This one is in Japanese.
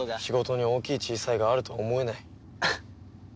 仕事に大きい小さいがあるとは思えない。